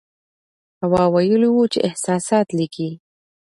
هوا ویلي وو چې احساسات لیکي.